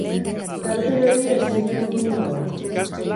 Tarte berria estreinatu dugu gaur.